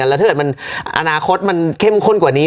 แล้วถ้าเกิดมันอนาคตมันเข้มข้นกว่านี้